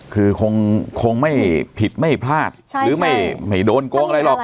คือคงคงไม่ผิดไม่พลาดใช่ใช่หรือไม่ไม่โดนโก๊งอะไรหรอก